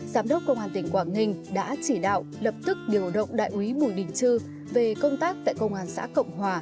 giám đốc công an tỉnh quảng ninh đã chỉ đạo lập tức điều động đại úy bùi đình trư về công tác tại công an xã cộng hòa